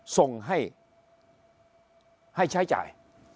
ส่งให้ใช้จ่าย